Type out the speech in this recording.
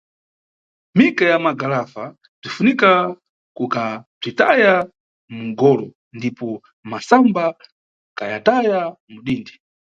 Mika ya magalafa bzinʼfunika kukabzitaya munʼgolo ndipo masamba kayataya mudindi.